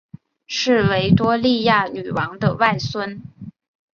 是维多利亚女王的外孙。